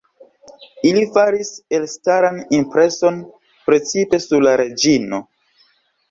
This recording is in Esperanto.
Ili faris elstaran impreson, precipe sur la reĝino.